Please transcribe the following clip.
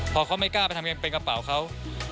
พอเขาไม่กล้าไปทำงานเป็นกระเป๋าเขา